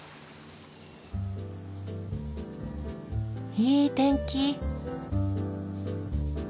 いい天気。